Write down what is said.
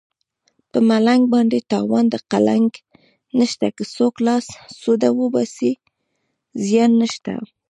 په ملنګ باندې تاوان د قلنګ نشته که څوک لاس سوده وباسي زیان نشته